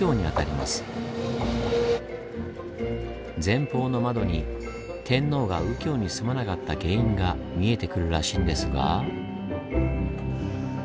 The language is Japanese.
前方の窓に天皇が右京に住まなかった原因が見えてくるらしいんですが。